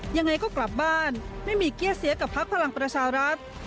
ยังไงก็กลับบ้านไม่มีเกี้ยเสียกับพักพลังประชารัฐ